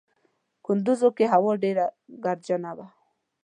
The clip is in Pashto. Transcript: کندوز کې هوا ډېره ګردجنه وه.